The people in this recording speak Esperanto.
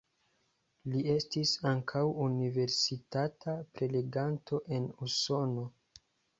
Li estis ankaŭ universitata preleganto en Usono.